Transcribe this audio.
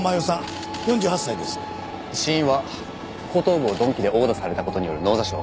死因は後頭部を鈍器で殴打された事による脳挫傷。